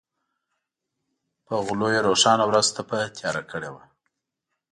په غلو یې روښانه ورځ تپه تیاره کړې وه.